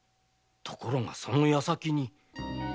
ところがその矢先に。